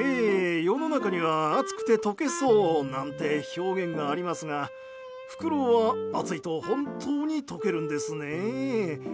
えー、世の中には暑くて溶けそうなんて表現がありますがフクロウは暑いと本当に溶けるんですねえ。